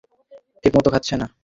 ঠিকমত খাচ্ছে না।